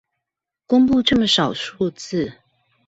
公佈這麼少數字